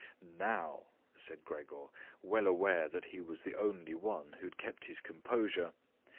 "Now," said Gregor, well aware that he was the only one who had kept his composure.